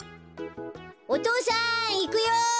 お父さんいくよ！